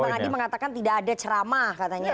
tadi kan pak nadi mengatakan tidak ada ceramah katanya